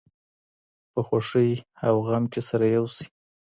په خوښۍ او غم کې سره یو شئ.